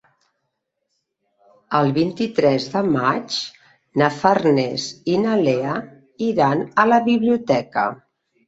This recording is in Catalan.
El vint-i-tres de maig na Farners i na Lea iran a la biblioteca.